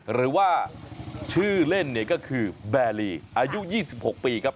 หรือว่าชื่อเล่นเนี่ยก็คือแบรีอายุ๒๖ปีครับ